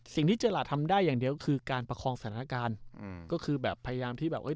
ที่เจอราชทำได้อย่างเดียวคือการประคองสถานการณ์อืมก็คือแบบพยายามที่แบบเอ้ย